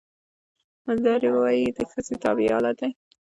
مېندواري د ښځې طبیعي حالت دی.